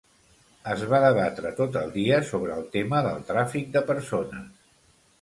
Es va debatre tot el dia sobre el tema del tràfic de persones.